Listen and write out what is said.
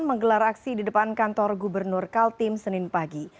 menggelar aksi di depan kantor gubernur kaltim senin pagi